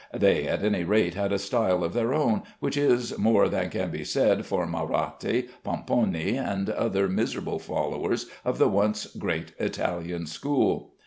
They at any rate had a style of their own, which is more than can be said for Maratti, Pomponi, and the other miserable followers of the once great Italian school.